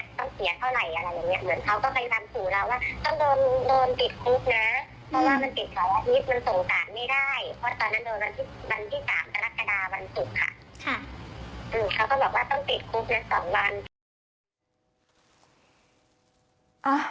เขาก็บอกว่าต้องติดคุกใน๒วัน